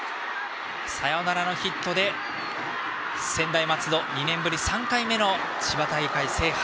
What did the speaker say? サヨナラのヒットで専大松戸２年ぶり３回目の千葉大会制覇。